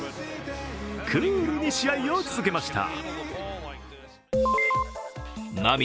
クールに試合を続けました。